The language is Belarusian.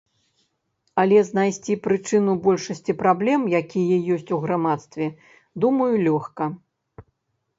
Але знайсці прычыну большасці праблем, якія ёсць у грамадстве, думаю, лёгка.